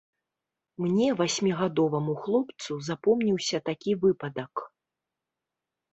Мне, васьмігадоваму хлопцу, запомніўся такі выпадак.